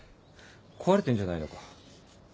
壊れてんじゃないのか？